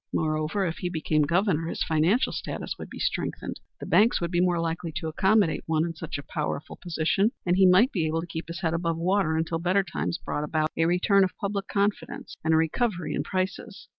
Moreover, if he became Governor, his financial status would be strengthened. The banks would be more likely to accommodate one in such a powerful position, and he might be able to keep his head above water until better times brought about a return of public confidence and a recovery in prices.